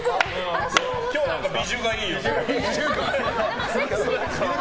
今日、ビジュがいいよね。